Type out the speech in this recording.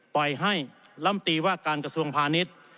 ปล่อยให้ลำตีว่าการกระทรวงพาณิชย์